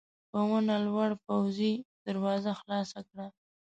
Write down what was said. په ونه لوړ پوځي دروازه خلاصه کړه.